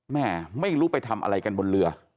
แม่ไม่รู้ไปทำอะไรกันบนเรือ